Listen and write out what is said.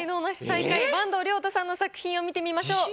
最下位坂東龍汰さんの作品を見てみましょう。